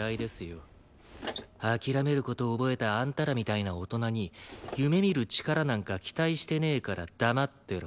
諦める事を覚えたあんたらみたいな大人に夢見る力なんか期待してねえから黙ってろ。